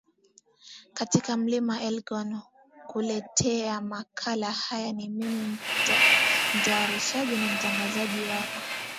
katika mlima wa elgon kuletea makala haya ni mimi mtayarishaji na mtangazaji wako